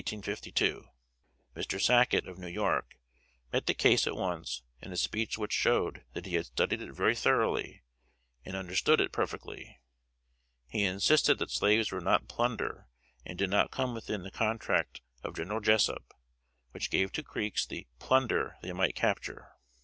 Mr. Sacket, of New York, met the case at once, in a speech which showed that he had studied it very thoroughly, and understood it perfectly. He insisted that slaves were not plunder, and did not come within the contract of General Jessup, which gave to Creeks the "plunder" they might capture.